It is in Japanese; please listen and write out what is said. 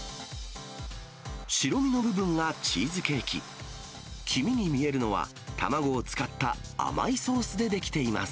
白身の部分がチーズケーキ、黄身に見えるのは、卵を使った甘いソースで出来ています。